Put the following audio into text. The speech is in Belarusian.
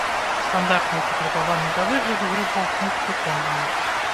Стандартныя патрабаванні да выгляду грыбоў пункт выконвае.